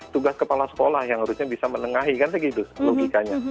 tugas kepala sekolah yang harusnya bisa menengahi kan segitu logikanya